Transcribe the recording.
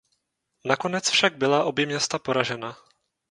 Nakonec však byla obě města poražena.